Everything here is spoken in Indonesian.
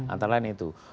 antara lain itu